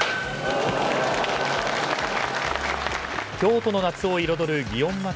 京都の夏を彩る祇園祭。